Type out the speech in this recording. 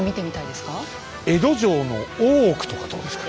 江戸城の大奥とかどうですか？